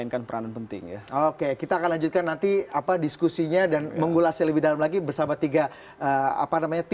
kalau kita lihat pemilih muda ya